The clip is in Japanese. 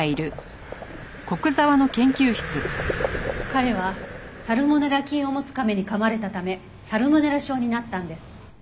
彼はサルモネラ菌を持つ亀にかまれたためサルモネラ症になったんです。